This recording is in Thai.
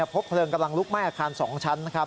พบเผลิงกำลังลุกไหม้อาคาร๒ชั้น